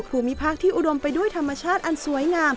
ภูมิภาคที่อุดมไปด้วยธรรมชาติอันสวยงาม